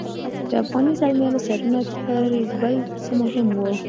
د افغاني زلمیانو سرونه تر بل څه مهم وو.